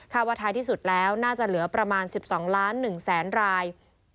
ว่าท้ายที่สุดแล้วน่าจะเหลือประมาณ๑๒ล้าน๑แสนราย